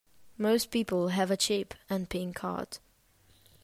Most people have a chip and pin card.